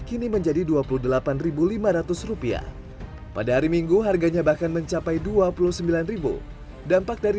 kini menjadi dua puluh delapan lima ratus rupiah pada hari minggu harganya bahkan mencapai dua puluh sembilan dampak dari